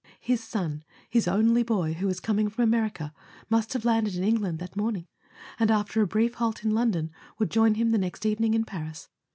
His son, his only boy, who was coming from America, must have landed in England that morn¬ ing, and after a brief halt in London would join him the next evening in Paris.